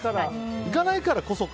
行かないからこそか。